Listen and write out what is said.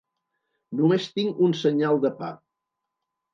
Només tinc un senyal de pa.